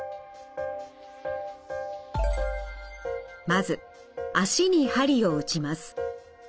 まず足に鍼を打ちます。